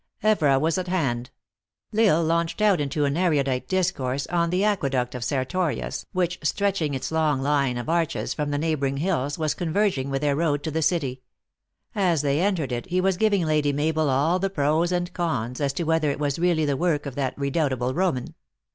Evora was at hand. L Isle launched out into an erudite discourse on the aqueduct of Sertorius, which, stretching its long line of arches from the neighboring hills, was converging with their road to the city. As they entered it he was giving Lady Mabel all the pros and cons, as to whether it was really the work of that redoubtable Roman.